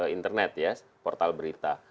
internet ya portal berita